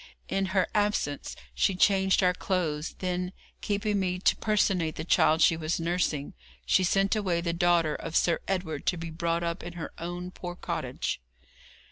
In her absence she changed our clothes; then, keeping me to personate the child she was nursing, she sent away the daughter of Sir Edward to be brought up in her own poor cottage.